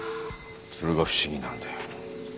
それが不思議なんだよ。